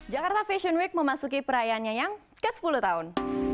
jakarta fashion week memasuki perayaannya yang ke sepuluh tahun